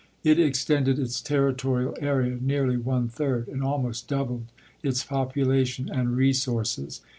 It extended its terri torial area nearly one third, and almost doubled its population and resources.